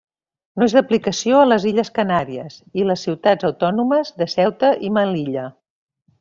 No és d'aplicació a les illes Canàries, i les ciutats autònomes de Ceuta i Melilla.